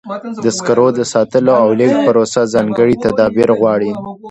د سکرو د ساتلو او لیږد پروسه ځانګړي تدابیر غواړي.